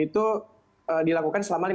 itu dilakukan selama